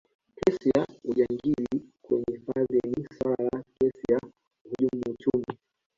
kesi ya ujangili kwenye hifadhi ni sawa na kesi ya uhujumu uchumi